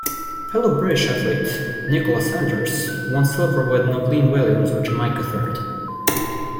Fellow British athlete, Nicola Sanders won silver with Novlene Williams of Jamaica third.